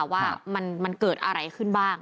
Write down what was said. ว่ามันเกิดอะไรขึ้นบ้าง